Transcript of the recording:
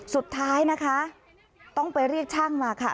สุดท้ายนะคะต้องไปเรียกช่างมาค่ะ